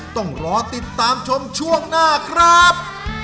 ต้องรอติดตามชมช่วงหน้าครับ